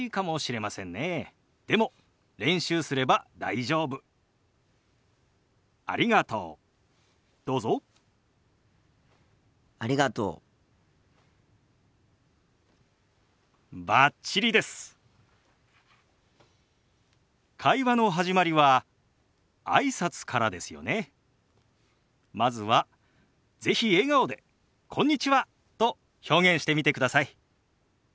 まずは是非笑顔で「こんにちは」と表現してみてください。